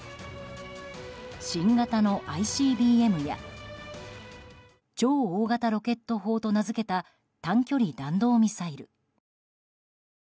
新型のＩＣＢＭや超大型ロケット砲と名付けた短距離弾道ミサイル。